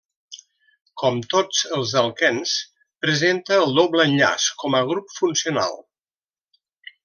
Com tots els alquens presenta el doble enllaç com a grup funcional.